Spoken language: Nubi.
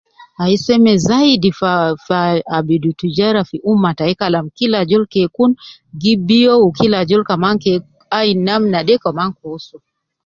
Aiii, seme zaidi fi ahh, fi ahh, abidu tijara fi umma tai kalam kila ajol ke kun gi biyo, wu kila ajol kaman kee ayin namna de kaman koo soo